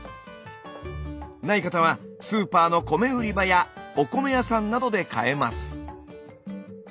ない方はスーパーの米売り場やお米屋さんなどで買えます。